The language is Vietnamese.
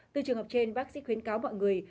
từ trường hợp trên bác sĩ khuyến cáo mọi người